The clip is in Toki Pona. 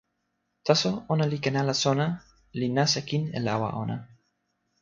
taso ona li ken ala sona, li nasa kin e lawa ona.